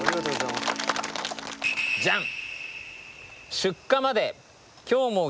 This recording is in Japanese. じゃん！